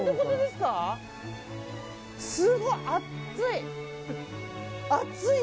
すごい、熱い！